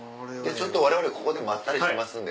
われわれここでまったりしてますんで。